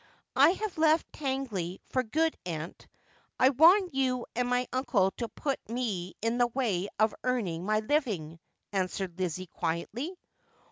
' I have left Tangley for good, aunt. I want you and my uncle to put me in the way of earning my living,' answered Lizzie quietly.